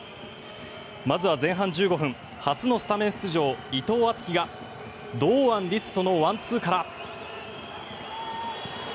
まずは前半１５分初のスタメン出場、伊藤敦樹が堂安律とのワンツーから。